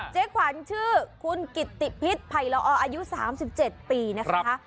ขวัญชื่อคุณกิตติพิษไผ่ละออายุ๓๗ปีนะคะ